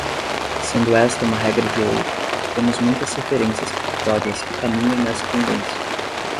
Sendo esta uma regra de ouro, temos muitas referências pictóricas que caminham nessa tendência.